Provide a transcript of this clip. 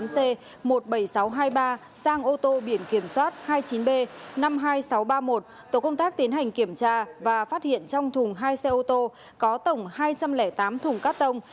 sang ô tô biển kiểm soát hai mươi chín b năm mươi hai nghìn sáu trăm ba mươi một tổ công tác tiến hành kiểm tra và phát hiện trong thùng hai xe ô tô có tổng hai trăm linh tám thùng cắt tăng